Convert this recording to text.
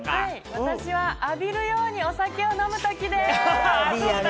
私は浴びるようにお酒を飲むときです。